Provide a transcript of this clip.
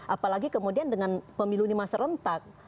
apalagi kemudian dengan pemilu ini masa rentak